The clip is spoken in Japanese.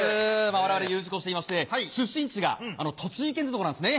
我々Ｕ字工事といいまして出身地が栃木県なんですね。